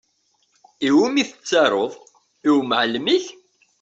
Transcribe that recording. I wumi i tettaruḍ? I wumɛalem-ik?